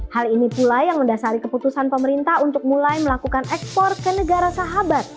hal ini pula yang mendasari keputusan pemerintah untuk mulai melakukan ekspor ke negara sahabat